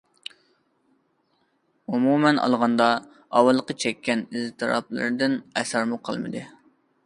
ئومۇمەن ئالغاندا، ئاۋۋالقى چەككەن ئىزتىراپلىرىمدىن ئەسەرمۇ قالمىدى.